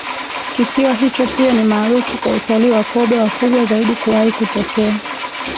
Kisiwa hicho pia ni maarufu kwa utalii wa Kobe wakubwa zaidi kuwahi kutokea